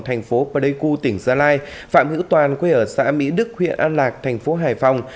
thành phố pleiku tỉnh gia lai phạm hữu toàn quê ở xã mỹ đức huyện an lạc thành phố hải phòng